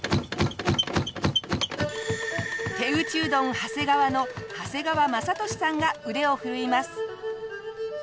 手打うどん長谷川の長谷川匡俊さんが腕を振るいます。